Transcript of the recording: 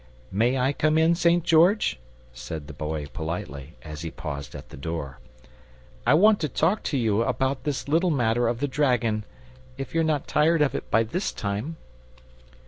"May I come in, St. George?" said the Boy politely, as he paused at the door. "I want to talk to you about this little matter of the dragon, if you're not tired of it by this time."